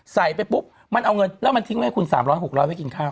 ใส่ไปปุ๊บมันเอาเงินแล้วมันทิ้งไว้ให้คุณ๓๐๐๖๐๐ไว้กินข้าว